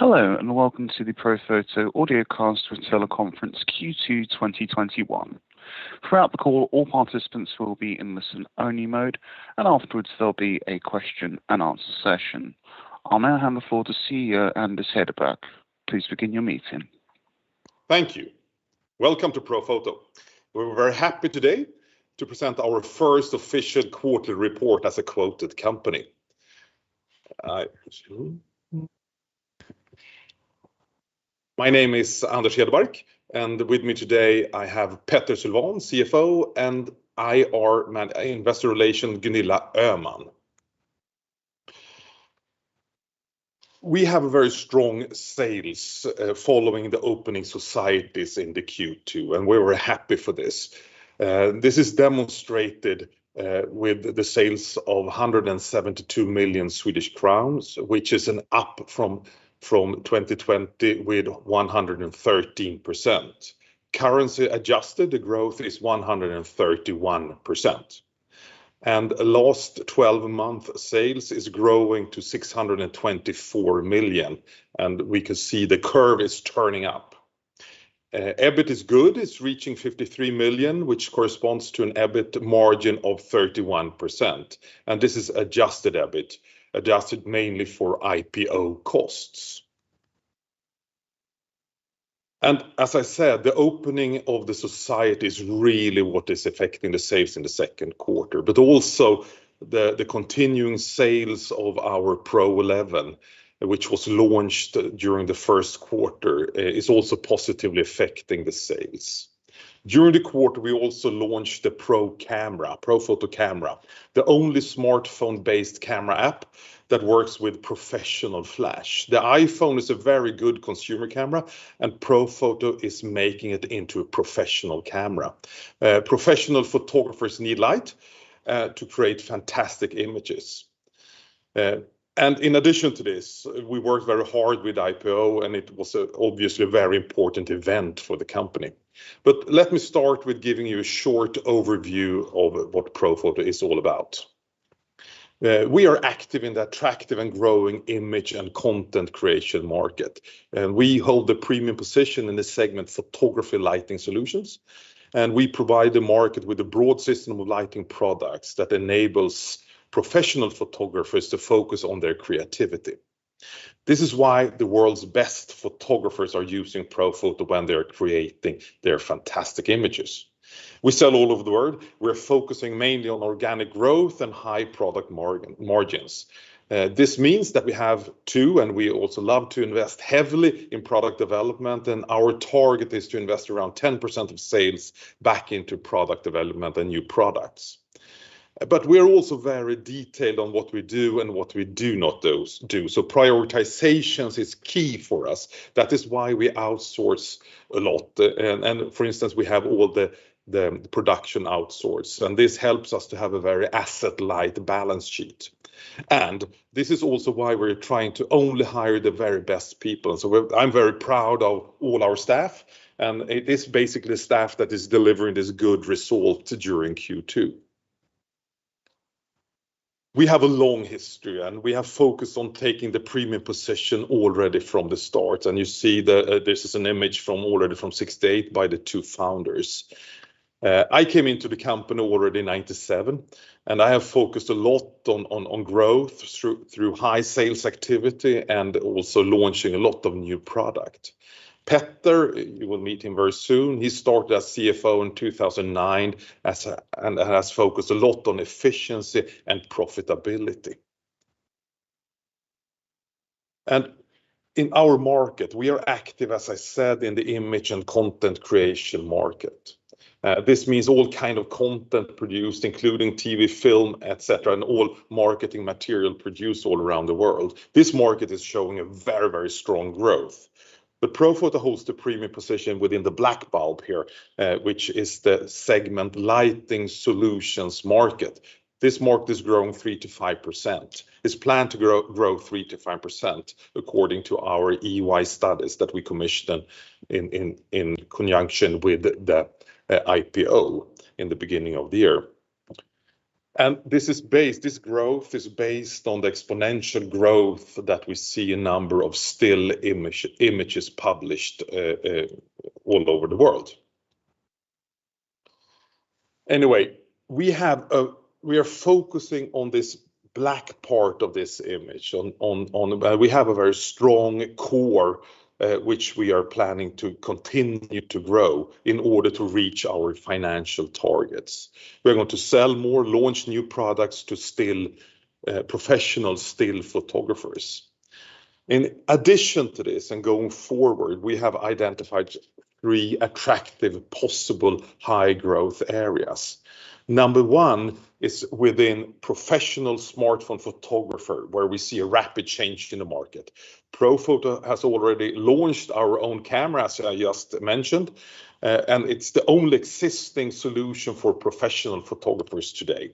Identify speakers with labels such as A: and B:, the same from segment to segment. A: Hello, welcome to the Profoto audiocast teleconference Q2 2021. Throughout the call, all participants will be in listen-only mode, and afterwards there'll be a question and answer session. I'll now hand the floor to CEO Anders Hedebark.
B: Thank you. Welcome to Profoto. We are very happy today to present our first official quarterly report as a quoted company. My name is Anders Hedebark, and with me today I have Petter Sylvan, CFO, and investor relation Gunilla Öhman. We have very strong sales following the opening societies in the Q2. We are very happy for this. This is demonstrated with the sales of 172 million Swedish crowns, which is an up from 2020 with 113%. Currency-adjusted, the growth is 131%. Last 12-month sales is growing to 624 million. We can see the curve is turning up. EBIT is good. It is reaching 53 million, which corresponds to an EBIT margin of 31%. This is adjusted EBIT, adjusted mainly for IPO costs. As I said, the opening of the society is really what is affecting the sales in the second quarter, but also the continuing sales of our Pro-11, which was launched during the first quarter, is also positively affecting the sales. During the quarter, we also launched the Profoto Camera, the only smartphone-based camera app that works with professional flash. The iPhone is a very good consumer camera, and Profoto is making it into a professional camera. Professional photographers need light to create fantastic images. In addition to this, we worked very hard with IPO, and it was obviously a very important event for the company. Let me start with giving you a short overview of what Profoto is all about. We are active in the attractive and growing image and content creation market. We hold the premium position in the segment photography lighting solutions. We provide the market with a broad system of lighting products that enables professional photographers to focus on their creativity. This is why the world's best photographers are using Profoto when they're creating their fantastic images. We sell all over the world. We're focusing mainly on organic growth and high product margins. This means that we have to, and we also love to invest heavily in product development. Our target is to invest around 10% of sales back into product development and new products. We're also very detailed on what we do and what we do not do. Prioritizations is key for us. That is why we outsource a lot. For instance, we have all the production outsourced, and this helps us to have a very asset-light balance sheet. This is also why we're trying to only hire the very best people, I'm very proud of all our staff, and it is basically staff that is delivering this good result during Q2. We have a long history, and we have focused on taking the premium position already from the start, and you see that this is an image already from 1968 by the two founders. I came into the company already in 1997, and I have focused a lot on growth through high sales activity and also launching a lot of new product. Petter, you will meet him very soon, he started as CFO in 2009 and has focused a lot on efficiency and profitability. In our market, we are active, as I said, in the image and content creation market. This means all kind of content produced, including TV, film, et cetera, and all marketing material produced all around the world. This market is showing a very strong growth. Profoto holds the premium position within the black bulb here, which is the segment lighting solutions market. This market is planned to grow 3%-5% according to our EY studies that we commissioned in conjunction with the IPO in the beginning of the year. This growth is based on the exponential growth that we see in number of still images published all over the world. Anyway, we are focusing on this black part of this image, and we have a very strong core, which we are planning to continue to grow in order to reach our financial targets. We're going to sell more, launch new products to professional still photographers. In addition to this, and going forward, we have identified three attractive possible high-growth areas. Number one is within professional smartphone photographer, where we see a rapid change in the market. Profoto has already launched Profoto Camera, as I just mentioned, and it's the only existing solution for professional photographers today.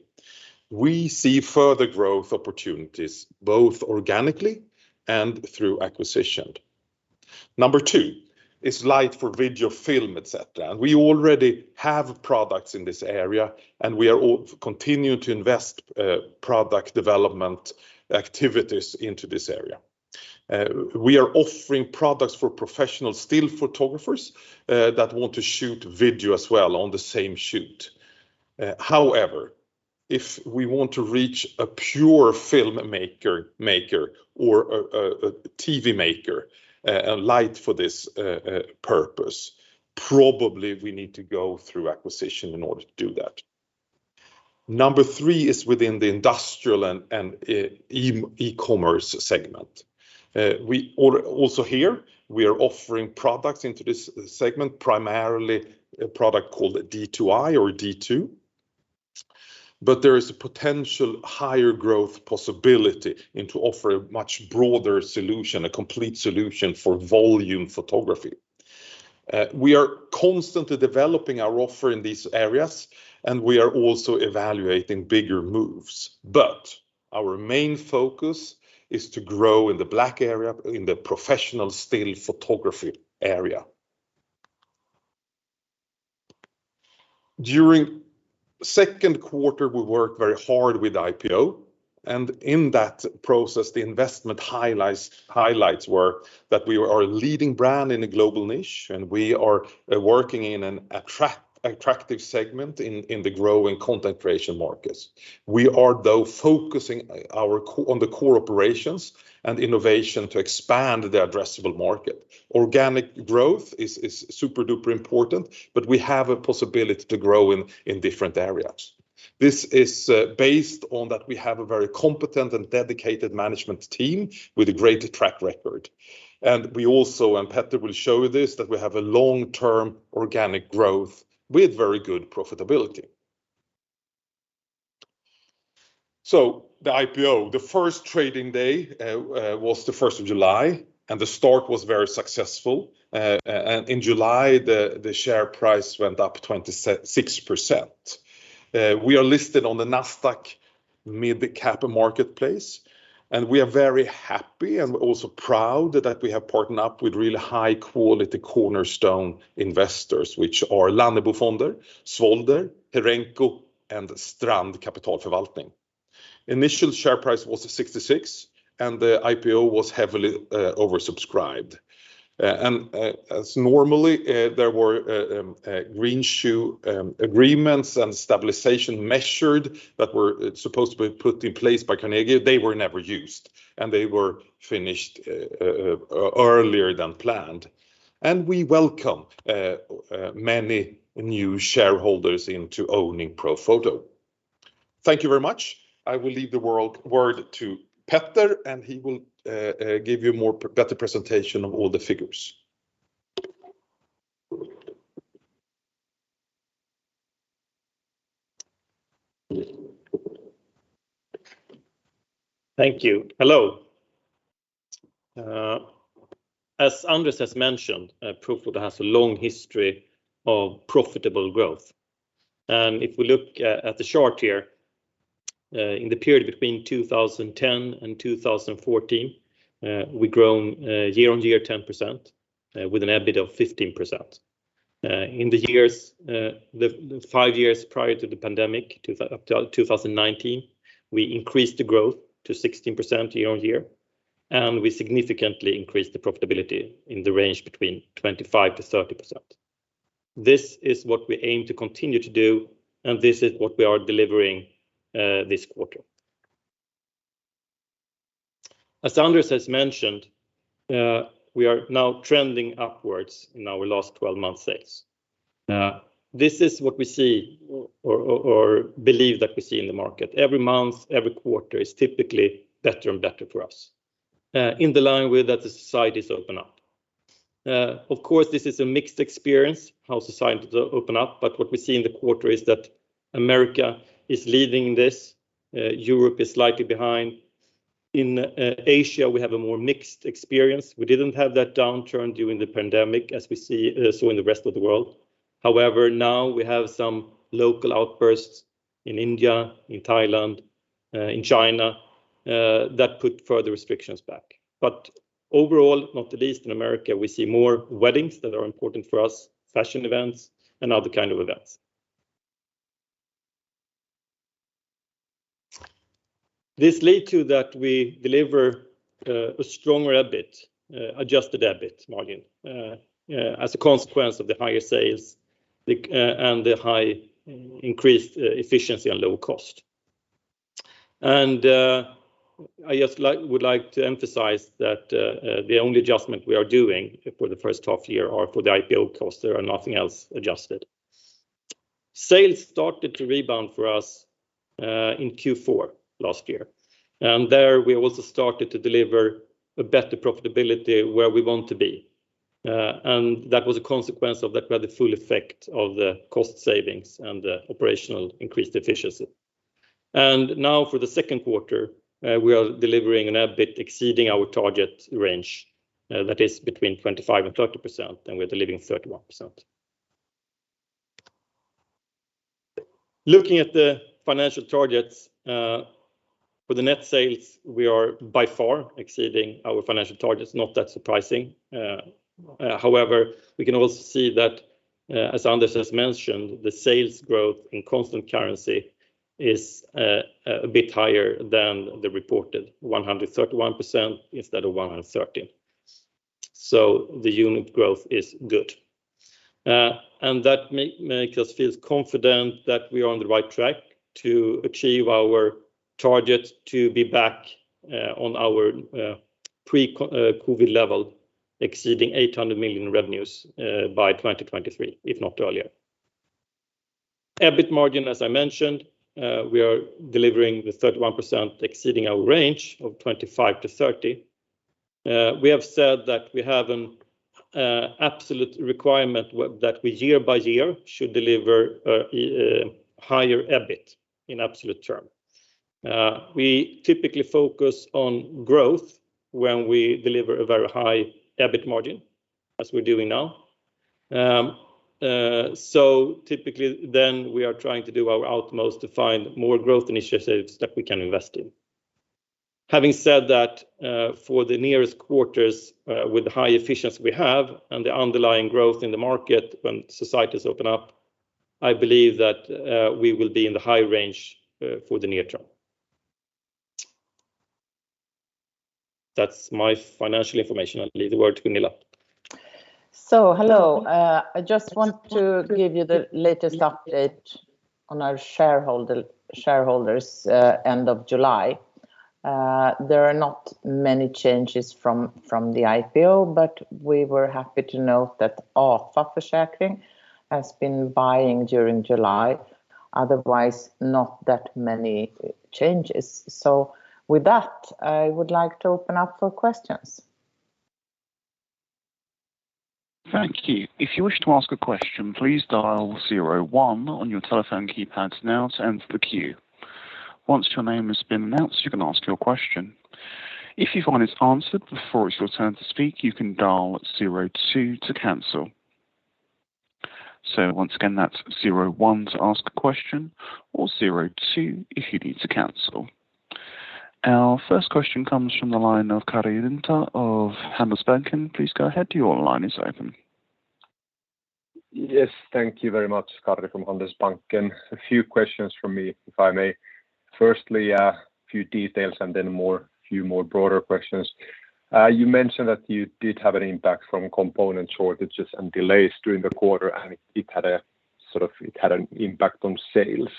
B: We see further growth opportunities, both organically and through acquisition. Number two is light for video, film, etc. We already have products in this area, and we are continuing to invest product development activities into this area. We are offering products for professional still photographers that want to shoot video as well on the same shoot. However, if we want to reach a pure filmmaker or a TV maker, a light for this purpose, probably we need to go through acquisition in order to do that. Number three is within the industrial and e-commerce segment. Here, we are offering products into this segment, primarily a product called D2i or D2. There is a potential higher growth possibility into offering a much broader solution, a complete solution for volume photography. We are constantly developing our offer in these areas. We are also evaluating bigger moves. Our main focus is to grow in the black area, in the professional still photography area. During second quarter, we worked very hard with IPO. In that process, the investment highlights were that we are a leading brand in a global niche. We are working in an attractive segment in the growing content creation markets. We are, though, focusing on the core operations and innovation to expand the addressable market. Organic growth is super-duper important. We have a possibility to grow in different areas. This is based on that we have a very competent and dedicated management team with a great track record. Petter will show this, that we have a long-term organic growth with very good profitability. The IPO, the 1st trading day was the 1st of July, and the start was very successful. In July, the share price went up 26%. We are listed on the Nasdaq Mid Cap marketplace, and we are very happy and also proud that we have partnered up with really high-quality cornerstone investors, which are Lannebo Fonder, Svolder, Herenco, and Strand Kapitalförvaltning. Initial share price was 66, and the IPO was heavily oversubscribed. As normally, there were greenshoe agreements and stabilization measures that were supposed to be put in place by Carnegie. They were never used, and they were finished earlier than planned. We welcome many new shareholders into owning Profoto. Thank you very much. I will leave the word to Petter, and he will give you a better presentation of all the figures.
C: Thank you. Hello. As Anders has mentioned, Profoto has a long history of profitable growth. If we look at the chart here, in the period between 2010 and 2014, we've grown year-on-year 10% with an EBIT of 15%. In the five years prior to the pandemic, up till 2019, we increased the growth to 16% year-on-year, and we significantly increased the profitability in the range between 25%-30%. This is what we aim to continue to do, and this is what we are delivering this quarter. As Anders has mentioned, we are now trending upwards in our last 12 months sales. This is what we see or believe that we see in the market. Every month, every quarter is typically better and better for us, in the line with that the societies open up. Of course, this is a mixed experience, how societies open up, but what we see in the quarter is that America is leading this. Europe is slightly behind. In Asia, we have a more mixed experience. We didn't have that downturn during the pandemic as we saw in the rest of the world. However, now we have some local outbursts in India, in Thailand, in China, that put further restrictions back. Overall, not least in America, we see more weddings that are important for us, fashion events, and other kind of events. This lead to that we deliver a stronger EBIT, adjusted EBIT margin, as a consequence of the higher sales and the high increased efficiency and low cost. I just would like to emphasize that the only adjustment we are doing for the first half year are for the IPO cost. There are nothing else adjusted. Sales started to rebound for us in Q4 last year. There we also started to deliver a better profitability where we want to be. That was a consequence of that we had the full effect of the cost savings and the operational increased efficiency. Now for the second quarter, we are delivering an EBIT exceeding our target range, that is between 25% and 30%, and we're delivering 31%. Looking at the financial targets for the net sales, we are by far exceeding our financial targets. Not that surprising. However, we can also see that, as Anders has mentioned, the sales growth in constant currency is a bit higher than the reported 131% instead of 113%. The unit growth is good. That makes us feel confident that we are on the right track to achieve our target to be back on our pre-COVID level, exceeding 800 million revenues by 2023, if not earlier. EBIT margin, as I mentioned, we are delivering the 31%, exceeding our range of 25%-30%. We have said that we have an absolute requirement that we, year by year, should deliver a higher EBIT in absolute terms. We typically focus on growth when we deliver a very high EBIT margin, as we're doing now. Typically then, we are trying to do our utmost to find more growth initiatives that we can invest in. Having said that, for the nearest quarters with the high efficiency we have and the underlying growth in the market when societies open up, I believe that we will be in the high range for the near term. That's my financial information. I'll leave the word to Gunilla.
D: Hello. I just want to give you the latest update on our shareholders end of July. There are not many changes from the IPO, but we were happy to note that Afa Försäkring has been buying during July. Otherwise, not that many changes. With that, I would like to open up for questions.
A: Thank you. If you wish to ask a question, please dial zero one on your telephone keypad now to enter the queue. Once your name has been announced, you can ask your question. If you find it's answered before it's your turn to speak, you can dial zero two to cancel. Once again, that's zero one to ask a question or zero two if you need to cancel. Our first question comes from the line of Karri Rinta of Handelsbanken. Please go ahead.
E: Yes, thank you very much. Karri from Handelsbanken. A few questions from me, if I may. Firstly, a few details and then a few more broader questions. You mentioned that you did have an impact from component shortages and delays during the quarter, and it had an impact on sales.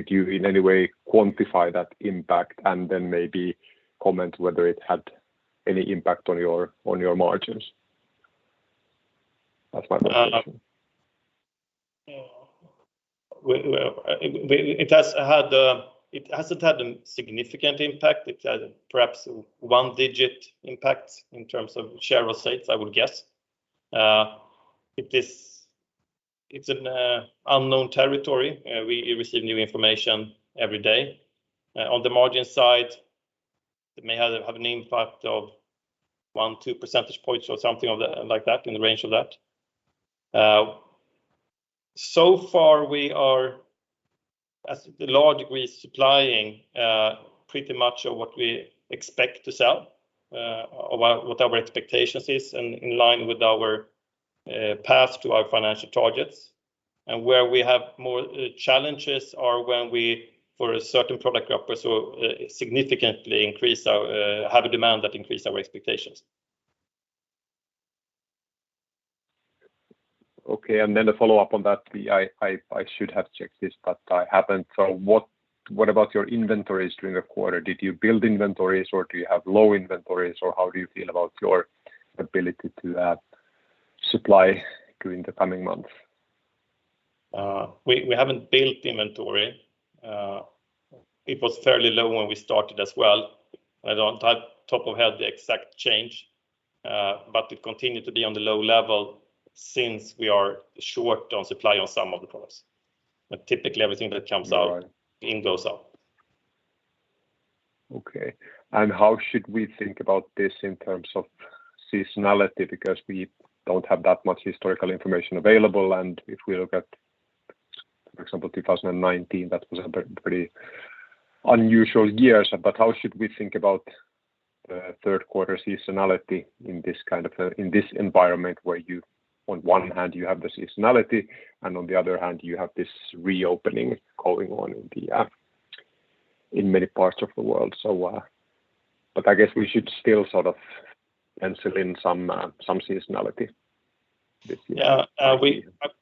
E: Could you in any way quantify that impact and then maybe comment whether it had any impact on your margins? That's my first question.
C: It hasn't had a significant impact. It's had perhaps a one-digit impact in terms of share of sales, I would guess. It's an unknown territory. We receive new information every day. On the margin side, it may have an impact of 1, 2 percentage points or something like that, in the range of that. So far, we are, as the logic we're supplying pretty much of what we expect to sell, what our expectations is and in line with our path to our financial targets. Where we have more challenges are when we, for a certain product group, significantly have a demand that increase our expectations.
E: Okay, the follow-up on that. I should have checked this, but I haven't. What about your inventories during the quarter? Did you build inventories or do you have low inventories or how do you feel about your ability to add supply during the coming months?
C: We haven't built inventory. It was fairly low when we started as well. I don't on top of head the exact change, but it continued to be on the low level since we are short on supply on some of the products. Typically, everything that comes out in goes out.
E: Okay, how should we think about this in terms of seasonality? Because we don't have that much historical information available, and if we look at, for example, 2019, that was a pretty unusual year. How should we think about the third quarter seasonality in this environment where you, on one hand you have the seasonality and on the other hand you have this reopening going on in many parts of the world? I guess we should still sort of pencil in some seasonality this year.
C: Yeah.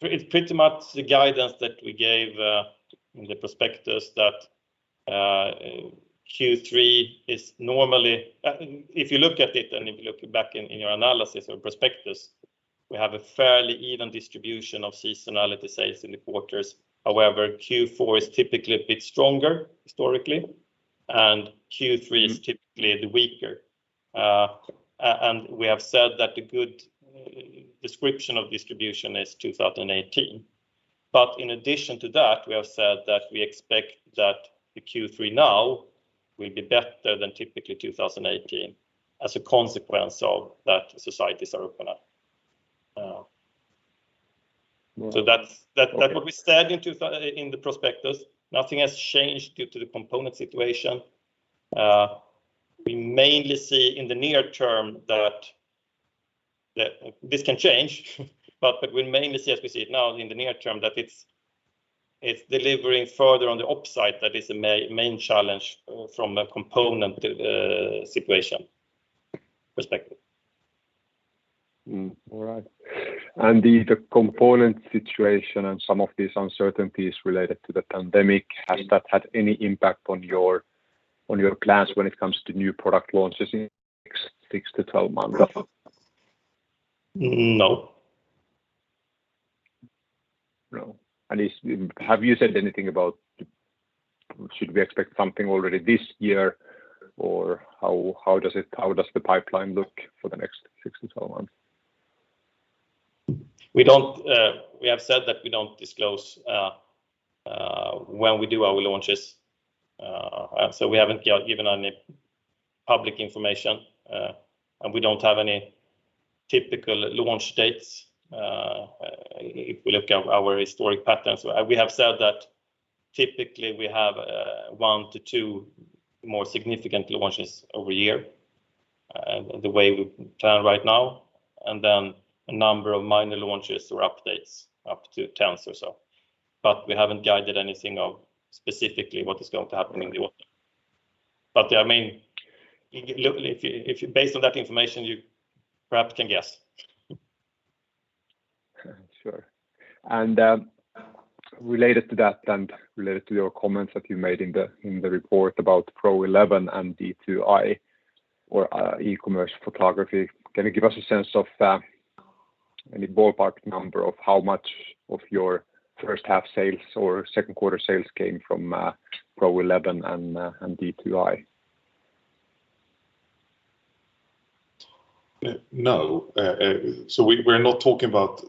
C: It's pretty much the guidance that we gave in the prospectus that Q3 is normally If you look at it and if you look back in your analysis or prospectus, we have a fairly even distribution of seasonality sales in the quarters. However, Q4 is typically a bit stronger historically, and Q3 is typically the weaker. We have said that the good description of distribution is 2018. In addition to that, we have said that we expect that the Q3 now will be better than typically 2018 as a consequence of that societies are opening up.
E: Yeah. Okay.
C: That is what we said in the prospectus. Nothing has changed due to the component situation. We mainly see in the near term that this can change, but we mainly see as we see it now in the near term, that it is delivering further on the upside. That is the main challenge from a component situation perspective.
E: All right. The component situation and some of these uncertainties related to the pandemic, has that had any impact on your plans when it comes to new product launches in six to 12 months?
C: No.
E: No. Have you said anything about should we expect something already this year, or how does the pipeline look for the next six-12 months?
C: We have said that we don't disclose when we do our launches. We haven't given any public information, and we don't have any typical launch dates. If we look at our historic patterns, we have said that typically we have one to two more significant launches over a year, and the way we plan right now, and then a number of minor launches or updates, up to 10 or so. We haven't guided anything of specifically what is going to happen in the world. Based on that information, you perhaps can guess.
E: Sure. Related to that and related to your comments that you made in the report about Pro-11 and D2i, or e-commerce photography, can you give us a sense of any ballpark number of how much of your first half sales or second quarter sales came from Pro-11 and D2i?
B: No. We're not talking about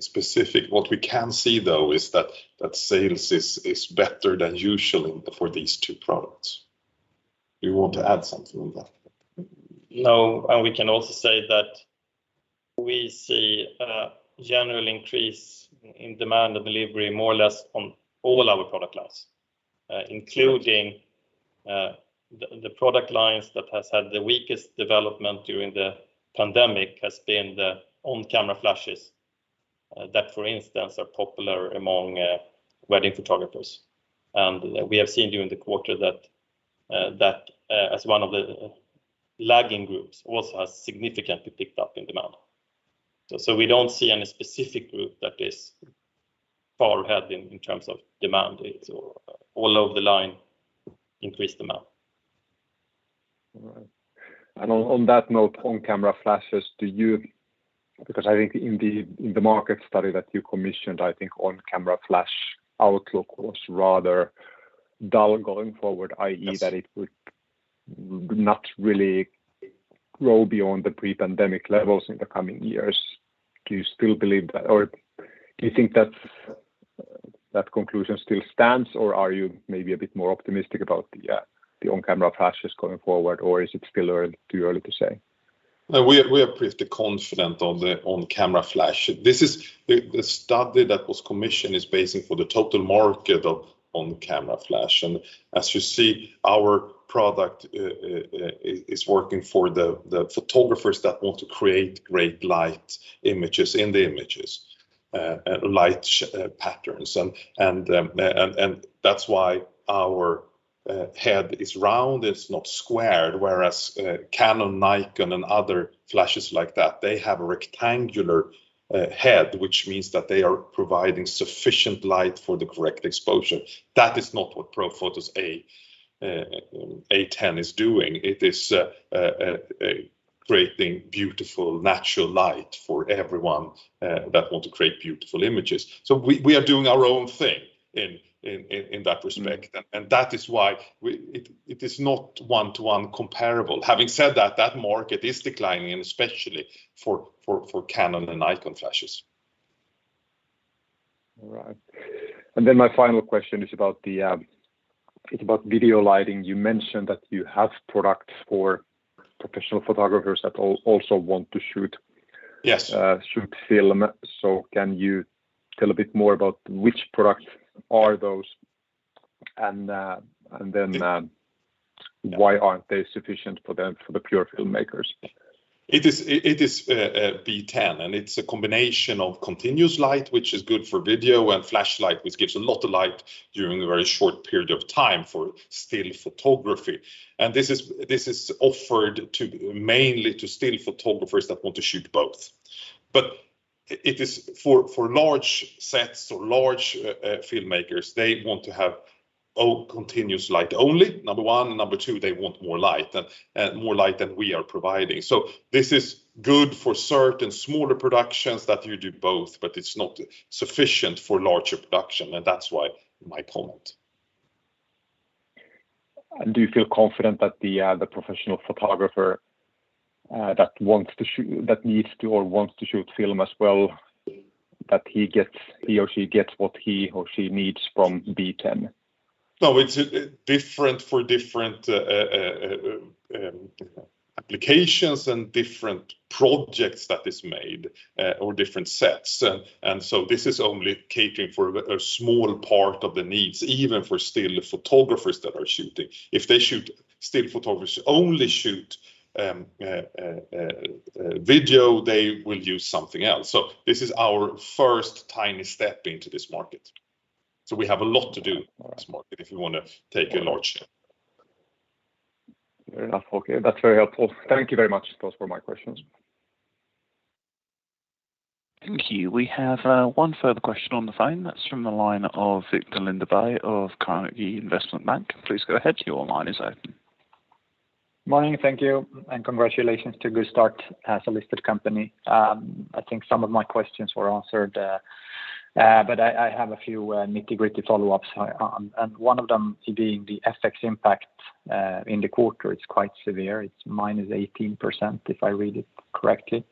B: specific. What we can see, though, is that sales is better than usual for these two products. You want to add something on that?
C: We can also say that we see a general increase in demand and delivery more or less on all our product lines, including the product lines that has had the weakest development during the pandemic has been the on-camera flashes, that, for instance, are popular among wedding photographers. We have seen during the quarter that as one of the lagging groups also has significantly picked up in demand. We don't see any specific group that is far ahead in terms of demand. It's all over the line increased demand.
E: All right. On that note, on-camera flashes, because I think in the market study that you commissioned, I think on-camera flash outlook was rather dull going forward, i.e., that it would not really grow beyond the pre-pandemic levels in the coming years. Do you still believe that, or do you think that conclusion still stands, or are you maybe a bit more optimistic about the on-camera flashes going forward, or is it still too early to say?
B: We are pretty confident on the on-camera flash. The study that was commissioned is based for the total market of on-camera flash, as you see, our product is working for the photographers that want to create great light images in the images, light patterns, and that's why our head is round. It's not squared, whereas Canon, Nikon, and other flashes like that, they have a rectangular head, which means that they are providing sufficient light for the correct exposure. That is not what Profoto's A10 is doing. It is creating beautiful, natural light for everyone that want to create beautiful images. We are doing our own thing in that respect. That is why it is not one-to-one comparable. Having said that market is declining, and especially for Canon and Nikon flashes.
E: All right. My final question is about video lighting. You mentioned that you have products for professional photographers that also want to shoot-
B: Yes
E: Can you tell a bit more about which products are those, and then why aren't they sufficient for the pure filmmakers?
B: It is B10, and it's a combination of continuous light, which is good for video, and flashlight, which gives a lot of light during a very short period of time for still photography. This is offered mainly to still photographers that want to shoot both. It is for large sets or large filmmakers, they want to have all continuous light only, number one. Number two, they want more light than we are providing. This is good for certain smaller productions that you do both, but it's not sufficient for larger production, and that's my point.
E: Do you feel confident that the professional photographer that needs to or wants to shoot film as well, that he or she gets what he or she needs from B10?
B: No, it is different for different applications and different projects that is made or different sets. This is only catering for a small part of the needs, even for still photographers that are shooting. If still photographers only shoot video, they will use something else. This is our first tiny step into this market. We have a lot to do in this market if we want to take a large share.
E: Fair enough. Okay. That's very helpful. Thank you very much. Those were my questions.
A: Thank you. We have one further question on the phone. That's from the line of Viktor Lindeberg of Carnegie Investment Bank. Please go ahead.
F: Morning. Thank you. Congratulations to good start as a listed company. I think some of my questions were answered. I have a few nitty-gritty follow-ups. One of them being the FX impact in the quarter is quite severe. It's -18%, if I read it correctly.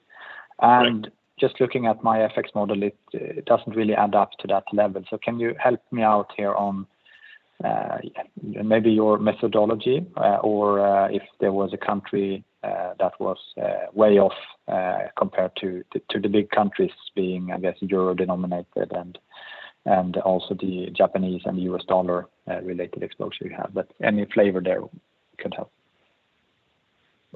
F: Just looking at my FX model, it doesn't really add up to that level. Can you help me out here on maybe your methodology or if there was a country that was way off compared to the big countries being, I guess, euro-denominated and also the Japanese and U.S. dollar related exposure you have. Any flavor there could help.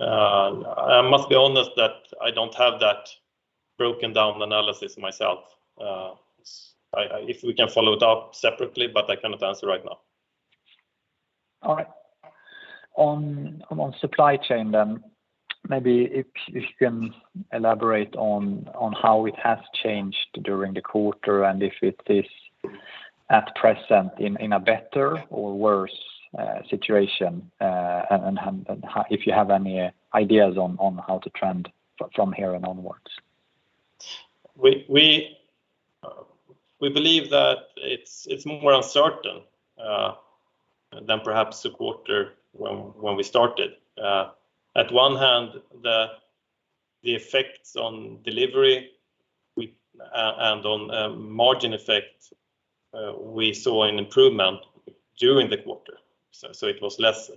C: I must be honest that I don't have that broken-down analysis myself. If we can follow it up separately, but I cannot answer right now.
F: All right. On supply chain, maybe if you can elaborate on how it has changed during the quarter and if it is at present in a better or worse situation, and if you have any ideas on how to trend from here and onwards.
C: We believe that it's more uncertain than perhaps the quarter when we started. On one hand, the effects on delivery and on margin effect, we saw an improvement during the quarter. It was less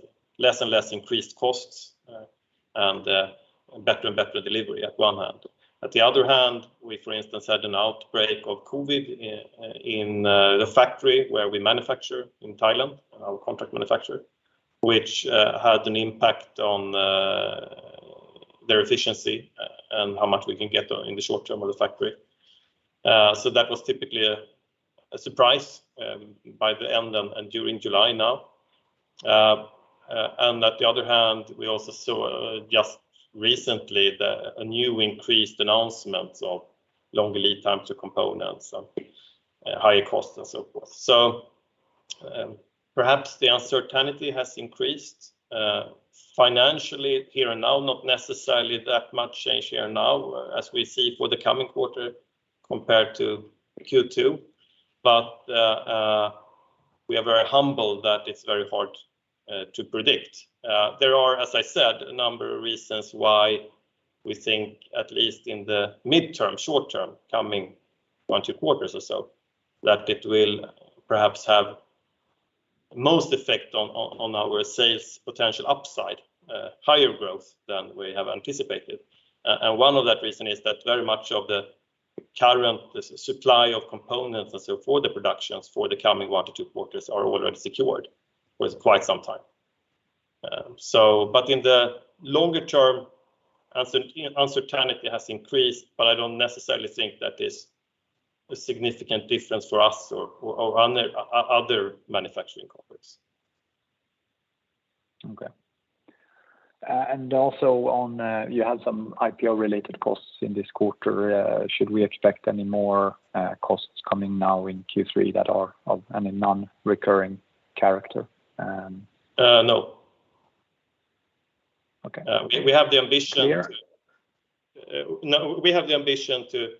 C: and less increased costs and better and better delivery on one hand. On the other hand, we, for instance, had an outbreak of COVID in the factory where we manufacture in Thailand, our contract manufacturer, which had an impact on their efficiency and how much we can get in the short term of the factory. That was typically a surprise by the end and during July now. On the other hand, we also saw just recently a new increased announcement of longer lead times to components and higher costs and so forth. Perhaps the uncertainty has increased financially here and now, not necessarily that much change here now as we see for the coming quarter compared to Q2. We are very humble that it's very hard to predict. There are, as I said, a number of reasons why we think at least in the midterm, short term, coming one, two quarters or so, that it will perhaps have most effect on our sales potential upside, higher growth than we have anticipated. One of that reason is that very much of the current supply of components and so for the productions for the coming one to two quarters are already secured with quite some time. In the longer term, uncertainty has increased, but I don't necessarily think that it's a significant difference for us or other manufacturing companies.
F: Okay. Also, you had some IPO related costs in this quarter. Should we expect any more costs coming now in Q3 that are of a non-recurring character?
C: No.
F: Okay.
C: We have the ambition.
F: This year?
C: No. We have the ambition to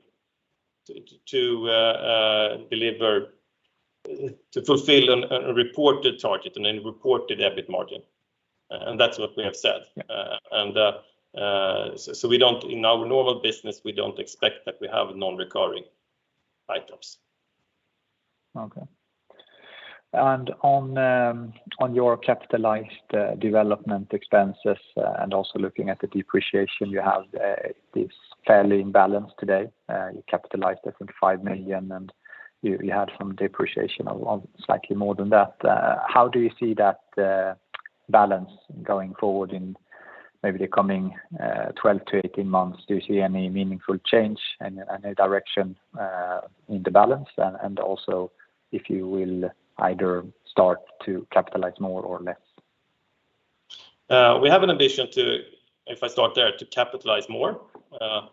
C: fulfill and report the target and then report the EBIT margin. That's what we have said.
F: Okay.
C: In our normal business, we don't expect that we have non-recurring items.
F: Okay. On your capitalized development expenses and also looking at the depreciation you have is fairly in balance today. You capitalized, I think 5 million, and you had some depreciation of slightly more than that. How do you see that balance going forward in maybe the coming 12 to 18 months? Do you see any meaningful change and a direction in the balance? Also, if you will either start to capitalize more or less?
C: We have an ambition to, if I start there, to capitalize more. The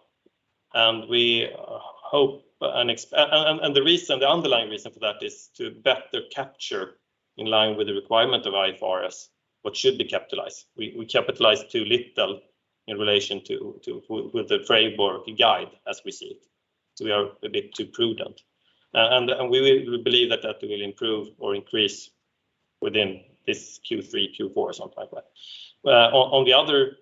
C: underlying reason for that is to better capture in line with the requirement of IFRS what should be capitalized. We capitalize too little in relation with the framework guide as we see it. We are a bit too prudent. We believe that will improve or increase within this Q3, Q4, something like that. On the other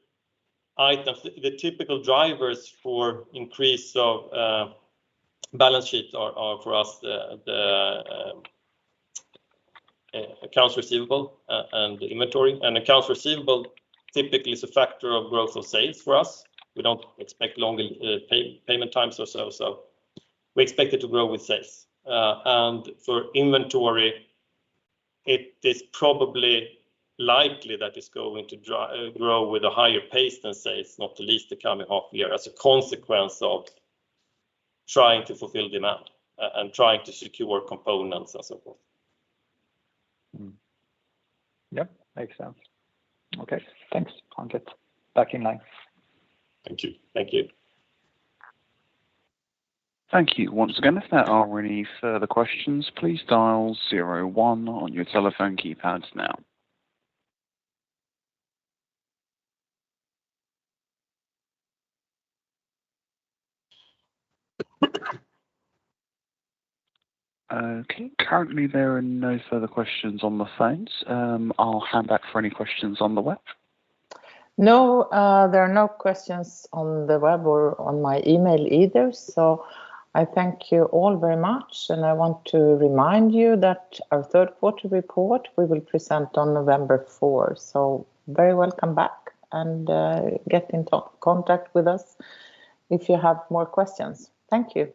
C: items, the typical drivers for increase of balance sheets are for us the accounts receivable and inventory. Accounts receivable typically is a factor of growth of sales for us. We don't expect longer payment times or so. We expect it to grow with sales. For inventory, it is probably likely that it's going to grow with a higher pace than sales, not the least the coming half year as a consequence of trying to fulfill demand and trying to secure components and so forth.
F: Yep. Makes sense. Okay. Thanks, Anders. Back in line.
C: Thank you.
A: Thank you once again. If there are any further questions, please dial zero one on your telephone keypads now. Okay. Currently there are no further questions on the phones. I'll hand back for any questions on the web.
D: No, there are no questions on the web or on my email either. I thank you all very much. I want to remind you that our third quarter report we will present on November 4th. Very welcome back and get in contact with us if you have more questions. Thank you.